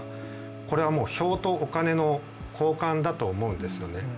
これは票とお金の交換だと思うんですよね。